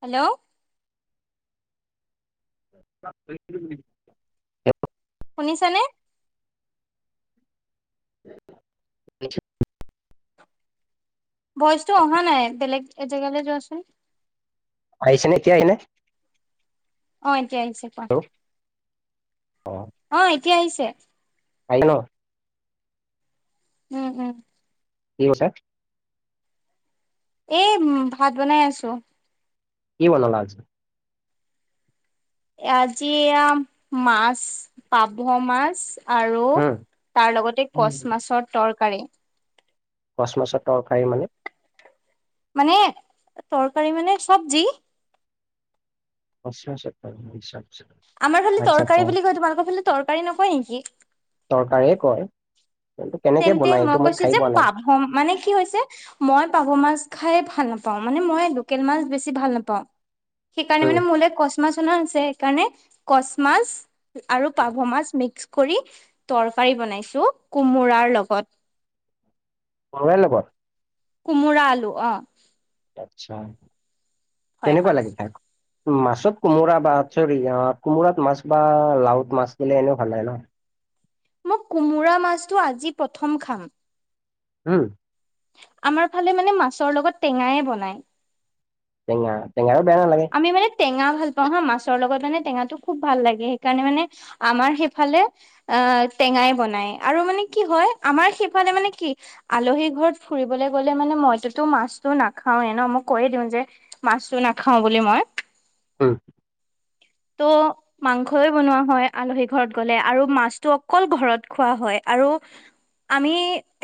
Hello [inaudible] শুনিছে নে? নি [inaudible] ভইচটো অহা নাই বেলেগ এজেগালৈ যোৱাচোন। আহিছে নে এতিয়া আহিলনে? অ, এতিয়া আহিছে কোৱা। অ, এতিয়া আহিছে। আহিলে ন? উম, উম। কি কইছে? এ ভাত বনাই আছোঁ। কি বনালা আজি? আজি আ মাছ পাভ মাছ। আৰু তাৰ লগতে উম কচ মাছৰ তৰকাৰী। কচ মাছৰ তৰকাৰী মানে? মানে তৰকাৰী মানে চবজি। [unintelligible] আমাৰ ফালে আচ্ছা আচ্ছা তৰকাৰী বুলি কয় তোমালোকৰ ফালে তৰকাৰী নকয় নেকি? তৰকাৰীয়ে কয়। কিন্তু কেনেকে তেন্তে বনাই মই এইটো কৈছোঁ খাই যে পোৱা নাই পাভ মানে কি হৈছে মই পাভ মাছ খাই ভাল ভাল‌ নাপাওঁ মানে মই লোকেল মাছ বেছি ভাল নাপাওঁ সেইকাৰণে উম মানে মোলে কচ মাছ মাছ আছে সেইকাৰণে কচ মাছ আৰু পাভ মাছ মিক্স। কৰি তৰকাৰী বনাইছোঁ কোমোৰাৰ লগত। কোমোৰাৰ লগত। কোমোৰা আলু অ। আচ্ছা হয় কেনেকুৱা হয় লাগে তাক। মাছত কোমোৰা বা চৰি কোমোৰাত মাছ বা লাওত মাছ দিলে এনেও ভাল লাগে ন। মোক কোমোৰা মাছটো আজি প্ৰথম খাম। হম আমাৰ ফালে মানে মাছৰ লগত টেঙাই বনায়। টেঙা? টেঙাও বেয়া নালাগে। আমি মানে টেঙা ভাল পাওঁ হা। মাছৰ লগত মানে টেঙাটো খুব ভাল লাগে। সেইকাৰণে মানে আমাৰ সেইফালে অ টেঙাই বনায় আৰু মানে কি হয় আমাৰ সেইফালে মানে কি আলহী ঘৰত ফুৰিবলে গ লে মানে মইটোতো মাছটো নাখাওৱে ন। মই কৈয়ে দিওঁ যে মাছটো নাখাওঁ বুলি মই। ও। ত' মাংসই বনোৱা হয় আলহী ঘৰত গ'লে আৰু মাছটো অকল ঘৰত খোৱা হয়। আৰু আমি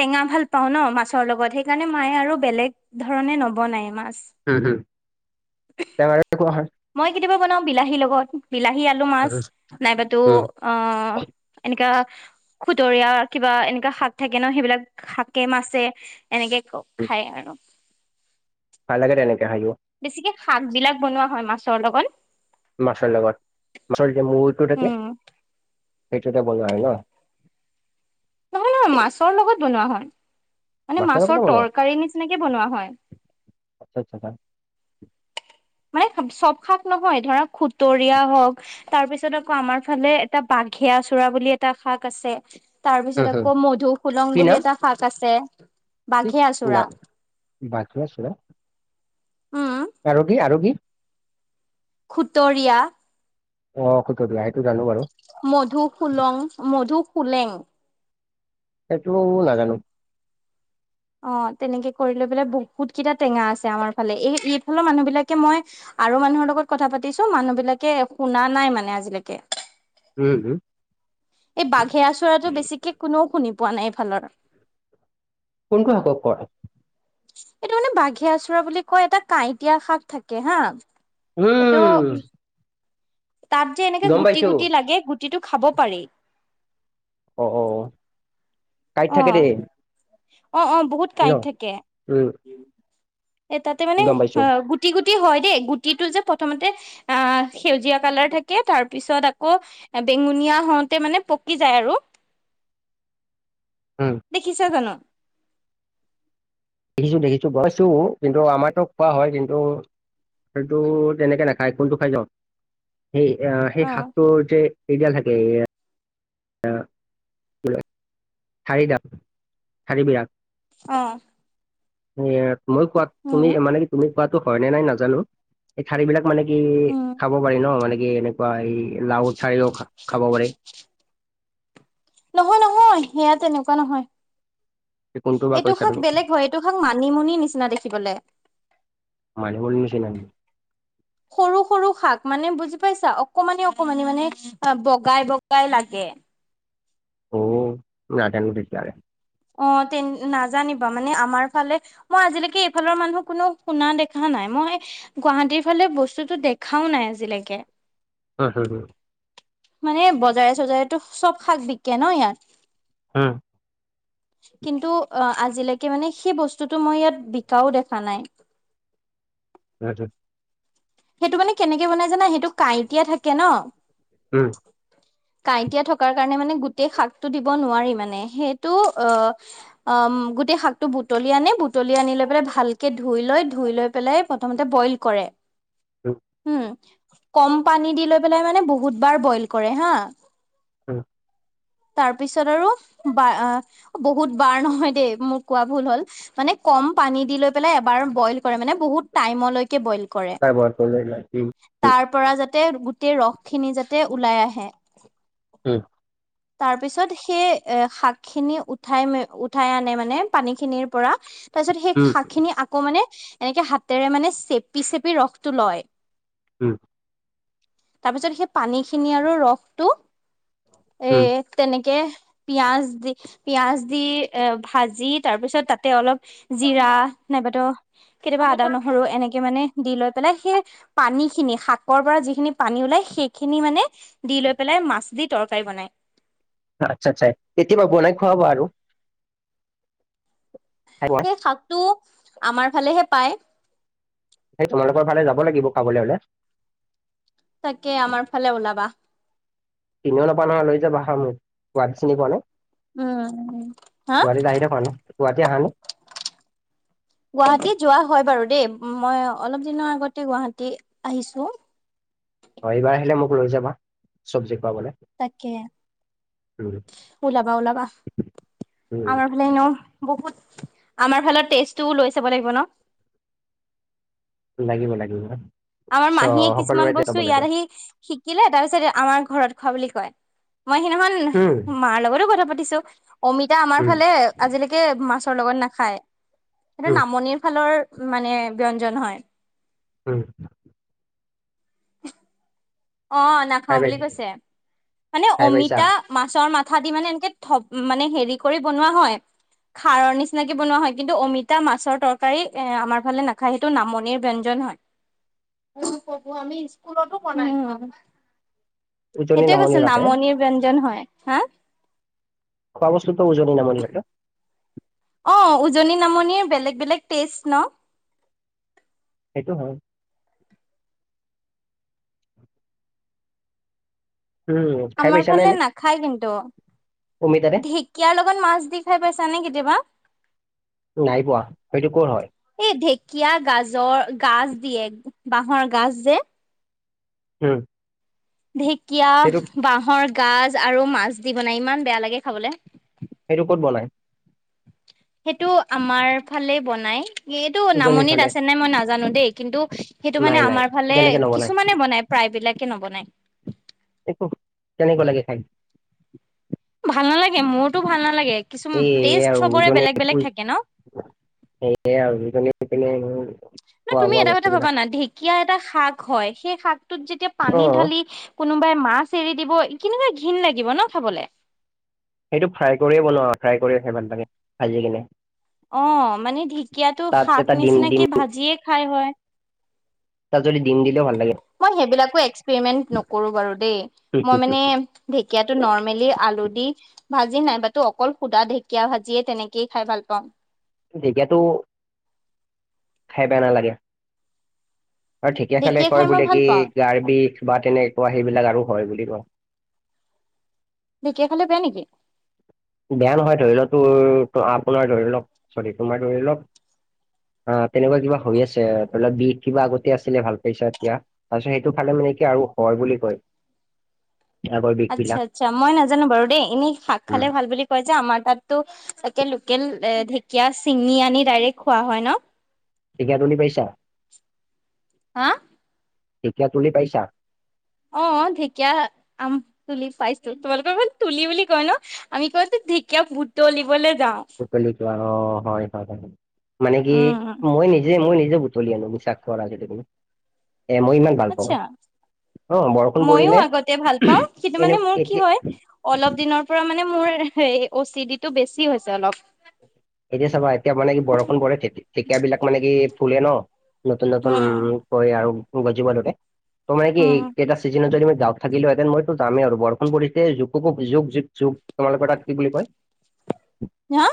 টেঙা ভাল পাওঁ ন মাছৰ লগত। সেইকাৰণে মায়ে আৰু বেলেগ ধৰণে নবনায় মাছ। উম, উম। ত এনেকুৱা হয়। মই কেতিয়াবা বনাও বিলাহীৰ লগত। বিলাহী, আলু, মাছ নাইবাতো উম অ এনেকা খুতৰীয়া কিবা এনেকা শাক থাকে ন? সেইবিলাক শাকে, মাছে এনেকে ক খায় আৰু। [unintelligible] বেছিকে শাক বিলাক বনোৱা হয় মাছৰ লগত। মাছৰ লগত, মাছৰ যেতিয়া মূৰটো থাকে। উম সেইটোতে বনোৱা হয় ন? নহয়, নহয়। মাছৰ লগত বনোৱা হয়। মানে মাছৰ পৰা বনোৱা তৰকাৰী নিচিনাকে বনোৱা হয়। আচ্ছা আচ্ছা আচ্ছা। মানে [inaudible] চব শাক নহয়। ধৰা খুতৰীয়া হওঁক তাৰ পিছত আকৌ আমাৰ ফালে এটা বাঘে চ ৰা বুলি এটা শাক আছে। তাৰ হুম পিছত হুম আকৌ মধুসোলং বুলি এটা শাক আছে। বাঘে আচোৰা কিনা বাঘে আঁচোৰা? উম খুতৰীয়া। অ খুতৰিয়া সেইটো। জানো বাৰু মধু সুলং মধুসলেং। সেইটো নাজানো অ [inaudible] তেনেকে কৰি লৈ পেলাই বহুত কেইটা টেঙা আছে আমাৰ ফালে এই এইফালৰ মানুহ বিলাকে মই আৰু মানুহৰ লগত কথা পাতিছো মানুহ বিলাকে শুনা নাই মানে আজিলৈকে উম উম এই বাঘেৰা চৰাটো বেছিকে কোনেও শুনি পোৱা নাই এইফালৰ। কোনটো শাকক কয়? এইটো মানে বাঘে আচৰা বুলি কয়। এটা কাঁইটীয়া শাক থাকে হা। এইটো উম তাত যে এনেকে গম গুটি, পাইছো গুটি লাগে। গুটিটো খাব পাৰি। অ-অ কাইট থাকে দেই। অ-অ বহুত ন কাঁইট থাকে। উম এ তাতে মানে গম পাইছো অ গুটি গুত গুটি হই দেই। গুটিটো যে প্ৰথমতে সেউজীয়া কালাৰ থাকে। তাৰ পাছত আকৌ বেঙুনীয়া হওঁতে মানে পকি যায় আৰু। [inaudible] উম দেখিছা জানো? দেখিছো, দেখিছো। বনাইছো কিন্তু আমাৰতো খোৱা হয়। কিন্তু আলটো তেনেকে নাখায় কোনটো খাই [unintelligible] সেই সেই অ শাকটোৰ যে এইডাল থাকে [unintelligible] ঠাৰিডাল, ঠাৰিবিলাক। অ। এ মই কোৱাত তুমি উম মানে কি তুমি কোৱাতো হয় নে নাই নাজানো। এই ঠাৰি বিলাক মানে কি উম খাব পাৰি ন? মানে কি এনেকুৱা এই লাও ঠাৰিও খ খাব পাৰি। নহয়, নহয়। সেয়া তেনেকুৱা নহয়। কোনটো বা এইটো কৈছা শাক তুমি বেলেগ হয় এইটো শাক মানিমুনি নিচিনা দেখিবলে মানিমুনি নিচিনা নি সৰু সৰু শাক মানে বুজি পাইছা অকমানি অকমানি মানে বগাই বগাই লাগে এ অ নাজানো তেতিয়াহলে অ তে নাজানিবা মানে আমাৰ ফালে মই আজিলৈকে এইফালৰ মানুহ কোনো শুনা দেখা নাই মই গুৱাহাটীৰ ফালে বস্তুটো দেখাও নাই আজিলৈকে হয় হয় হয় মানে বজাৰে চজাৰেতো চব শাক বিকে ন ইয়াত হুম কিন্তু আজিলৈকে মানে সেই বস্তুতটো মই ইয়াত বিকাও দেখা নাই সেইটোত সেইটো মানে কেনেকে বনাই জানা সেইটো কাঁইটিয়া থাকে ন উম কাঁইটীয়া থকাৰ কাৰনে মানে গোটেই শাকটো দিব নোৱাৰি মানে সেইটো গোটেই শাকটো বুটলি আনে বুটলি আনি লৈ পেলাই ভালকৈ ধুই লৈ ধুই লৈ পেলাই প্ৰথমতে বইল কৰে উম কম পানী দি লৈ পেলাই মানে বহুতবাৰ বইল কৰে হা উ তাৰপিছত আৰু বা বহুত বাৰ নহয় দেই মোৰ কোৱা ভুল হ'ল মানে কম পানী দি লৈ পেলাই এবাৰ বইল কৰে মান বহুত টাইমলৈকে বইল কৰে তাৰ পৰা যাতে [unintelligible] গোটেই ৰস খিনি যাতে ওলাই আহে উম তাৰ পিছত সেই এ শাক খিনি উঠাই মে উঠাই আনে মানে পানীখিনিৰ পৰা। তাৰপিছত সেই উম, শাক খিনি আকৌ মানে এনেকে হাতেৰে মানে চেপি চেপি ৰসটো লয়। উম। তাৰ পিছত সেই পানী খিনি আৰু ৰসটো এ উম। তেনেকে পিয়াজ দি পিয়াজ দি এ ভাজি তাৰ পিছত তাতে অলপ জিৰা নাইবাতো কেতিয়াবা আদা নহৰু এনেকে মানে দি লৈ পেলাই সেই পানী খিনি শাকৰ পৰা যিখিনি পানী ওলাই সেইখিনি মানে দি লৈ পেলাই মাছ দি তৰকাৰী বনাই। আচ্ছা, আচ্ছা কেতিয়াবা বনাই খোৱাবা আৰু। খাই পোৱা। সেই শাকটো আমাৰ ফালেহে পায়। হে তোমালোকৰ ফালে যাব লাগিব খাবলৈ হলে। তাকে আমাৰ ফালে ওলাবা। চিনিও নাপাও নহয় লৈ যাবা ম সোৱাদ চিনি পোৱা নাই। উম হা গুৱাহাটী আহি থাক এনো গুৱাহাটী আহা নে? গুৱাহাটী যোৱা হয় বাৰু দেই মই অলপ দিনৰ আগতে গুৱাহাটী আহিছো। অ এইবাৰ আহিলে মোক লৈ যাবা চবজেক্ট। তাকে। উম ওলাবা ওলাবা। আমাৰ উম ফালে এনেও বহুত আমাৰ ফালৰ তেজটোও লৈ চাব লাগিব ন। লাগিব লাগিব। আমাৰ চ মাহীয়ে কিছুমান সকলোৰে তে যাব বস্তু লাগে ইয়াত আহি শিকিলে তাৰপিছত আমাৰ ঘৰত খোৱা বুলি কয়। মই উম সিদিনাখন মাৰ লগতো কথা পাতিছো অমিতা আমাৰ উম ফালে আজিলৈকে মাছ লগত নাখায়। সেইটো উম নামনিৰ ফালৰ মানে ব্যঞ্জন হয়। উম। অ, খাই নাখাও বুলি পাইছা কৈছে। মানে খাই পাইছা অমিতা মাছৰ মা কঠা দি মানে এনেকে থপ মানে হেৰি কৰি বনোৱা হয়। খাৰৰ নিচিনাকি বনোৱা হয়। কিন্তু, অমিতা মাছৰ তৰকাৰী এ আমাৰ ফালে নাখায়। সেইটো নামনিৰ ব্যঞ্জন। হয় আমি স্কুল টো বনাই চো উজনি সেইটয়ে নামনি কৈছে ৰাখে নামনিৰ ব্যঞ্জন হয়। হা, খোৱা বস্তুটো ওজনি নামনি থাকে। অ, উজনি নামনিৰ বেলেগ বেলেগ টেষ্ট ন। সেইটো হয়। উম খাই আমাৰ পাইছা নে ফালে এনে না খায় কিন্তু। অমিতাৰে ঢেকীয়াৰ লগত মাছ দি খাই পাইছা নে কেতিয়াবা? নাই পোৱা। সেইটো কৰ হয়? এই ঢেকীয়া গাজৰ গাজ দিয়ে বাঁহৰ গাজ যে, হম। ঢেকীয়া বাহৰ গাজ আৰু মাছ দি বনাই ইমান বেয়া লাগে খাবলে। সেইটো ক'ত বনাই? সেইটো আমাৰ ফালে বনাই। এইটো উজনিৰ নামনিত ফালে আছে নাই মই নাজানো দেই কিন্তু, সেইটো নাই মানে নাই আমাৰ ফালে তেনেকে নবনাই কিছুমানে বনাই প্ৰায়বিলাক নবনায়। একো কেনেকুৱা লাগে খাই? ভাল নালাগে মোৰতো ভাল নালাগে। কিছু স টেষ্ট আৰু চবৰে উজনে বেলেগ বেলেগ থাকে ন স আৰু উজনে পিনে ন খোৱা তুমি বোৱা এটা কথা বস্তুবিলাক ভাবা না ঢেকীয়া এটা শাক হয়। সেই শাকটোত যেতিয়া পানী অ ঢালি কোনো কোনোবাই মাছ এৰি দিব কেনেকুৱা ঘৃণ লাগিব ন খাবলৈ। সেইটো ফ্ৰাই কৰিয়ে বনোৱা ফ্ৰাই কৰিয় সেই ভাল লাগে ভাজিয়ে কিনে। অ, মানে ঢেকীয়াটো তাত শাক এটা ডিম ডিম নিচিনাকে ভাজিয়ে খাই হয়। তাত যদি দিম দিলে ভাল। লাগে মই সেই বিলাকো এক্সপ্ৰেমন্ত নকৰোঁ বাৰু দেই মই মানে ধেকিয়া নৰ্মেলি আ ভাজি নাইবাতো অকল সুধা ঢেকীয়া ভাজিয়ে তেনেকেই খাই ভাল পাওঁ। ঢেকিয়াটো খাই বেয়া নালাগে। আৰু ঢেকীয়া খালে কয় খাই মই বোলে, ভাল কি পাওঁ গাৰ বিষ বা তেনেকুৱা সেইবিলাক আৰু হয় বুলি কয়। ঢেকীয়া খালে বেয়া নেকি? বেয়া নহয়, ধৰি লওক তোৰ আপোনাৰ ধৰি লওক চৰি তোমাৰ ধৰি লওক, অ তেনেকুৱা কিবা হৈ আছে, ধৰি ল বিধ কিবা আগতে আছিলে ভাল পাইছা, এতিয়া তাৰপিছত সেইটো খলে ম তেনেকে আৰু হয় বুলি কয়। আগৰ বিষ আচ্ছা বিলাক আচ্ছা, মই নাজানো বাৰু দেই, এনেই শাক খালে ভাল বুলি- কয় যে, আমাৰ তাতো তে লোকেল এ ঢেকীয়া চিঙি আনি ডাইৰেক্ট খোৱা হয় ন। ঢেকীয়া তুলি পাইছা? হা ঢেকীয়া তুলি পাইছা? অ ঢেকীয়া আম তুলি পাইছো। তোমালোকৰ ক তুলি বুলি কয় ন, আমি কওঁ - ঢেকীয়া বুটলিবলে যাওঁ বুটলি কোৱা অ হয় হয় হয়, মানে কি উম মই নিজে মই নিজে - বুতলি আনো বিশ্বাস কৰা, এ মই ইমান ভাল পাওঁ। অ বৰষুণ মইও পৰিলে আগতে ভাল পাও, কিন্তু এনে মানে মোৰ কি এতিয়া হয় অলপ দিনৰ পৰা মানে - মোৰ হ অ চি ডিটো বেছি হৈছে অলপ। এতিয়া চাবা এতিয়া মানে কি বৰষুণ পৰে ঢেকীয়া বিলাক মানে কি ফুলে ন, নতুন নতুন উম কৈ আৰু গজিব লৰে, ত মানে কি এই উম কেইটা চিজনত য- দা থাকিলেহঁতেনই যাম আৰু বৰষুণ পৰিছে জুকো যুগ যু যুগ তোমালোকে তাত কি বুলি কয় হা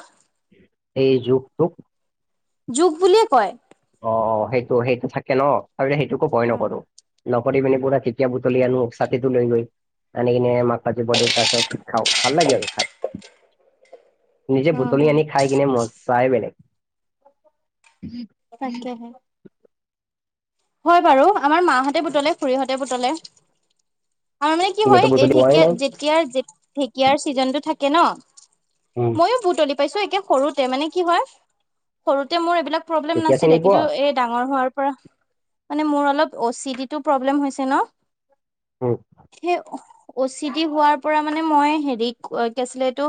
এই জুকটোক? জুক বুলিয়ে কয়। অ অ, সেইটো সেইটো থাকে ন, তাৰ সেইটোকো ভয় উম নকৰো। নকৰি পিনি পুৰা কেতিয়া বুটলি আনো, ছাতিটো লৈ গৈ আনি কিনে মাক কাতিপাটো। খাওঁ ভাল লাগিব খাই। নিজে বুটলি উম আনি খাই কিনে মজাই বেলেগ। তাকেহে। হয় বাৰু, আমাৰ মাহঁতে বুতলে খুৰীহঁতে বুতলে। আৰু মানে কি হয়, তুমিতো এই বুটলি পোৱাই ঢেকীয়া নাই যেতিয়াৰ ঢেকীয়াৰ ছিজনটো থাকে উম, ন- মইয়ো বুটলি পাইছো একে সৰুতে, মানে কি হয় সৰুতে মোৰ এইবিলাক- প্ৰব্লেম ঢেকীয়া চিনি নাছিলে, কিন্তু পোৱা এই ডাঙৰ হোৱাৰ পৰা মানে মোৰ অলপ অচি ডিটো প্ৰব্লেম হৈছে ন। উম অচিটি হোৱাৰ পৰা মানে মই হেৰি কি আছিলে এইটো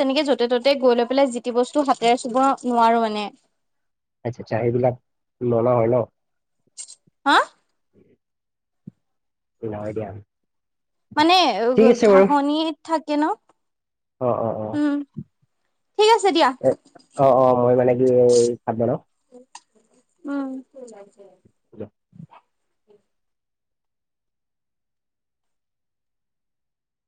তেনেকে য'তে ত'তে গৈ লৈ পেলাই যি - বস্তু হাতেৰে চুব নোৱাৰো মানে। আচ্ছা আচ্ছা এইবিলাক লনা হয় ন। হা? নাই দিয়া মানে ঠিক আছে বাৰু ঘাঁহনি থাকে ন। অ অ অ। উম ঠিক আছে দিয়া এ অ অ মই মানে কি ভাত বনাও। উম।